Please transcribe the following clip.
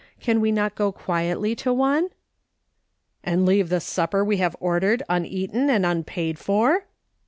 Can we not go quietly to one ?"" And leave the supper we have ordered uneaten and unpaid for